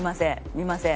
見ません。